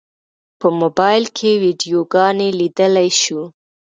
په موبایل کې ویډیوګانې لیدلی شو.